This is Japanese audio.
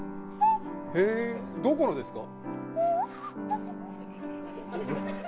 へえどこのですか？